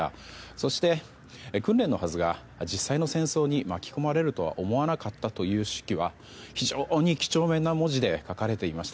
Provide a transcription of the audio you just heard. そして、訓練のはずが実際の戦争に巻き込まれるとは思わなかったという手記は非常に几帳面な文字で書かれていました。